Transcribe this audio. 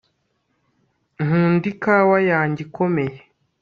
nkunda ikawa yanjye ikomeye